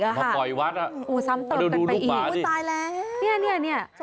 มาปล่อยวัดอ่ะมาดูลูกหมาสิคุณตายแล้วสงสาร